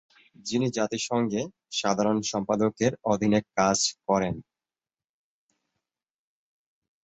তিনি জাতিসংঘে সাধারণ সম্পাদকের অধীনে কাজ করেন।